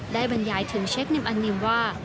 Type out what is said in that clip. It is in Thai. บรรยายถึงเชคนิมอันนิมว่า